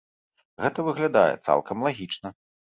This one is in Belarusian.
Гэта выглядае цалкам лагічна.